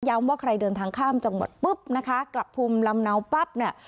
ว่าใครเดินทางข้ามจังหวัดปุ๊บนะคะกลับภูมิลำเนาปั๊บเนี่ย